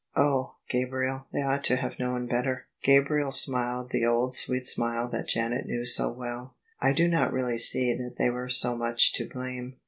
"Oh! Gabriel, they ought to have known better." Gabriel smiled the old sweet smile that Janet knew so well. " I do not really see that they were so much to blame.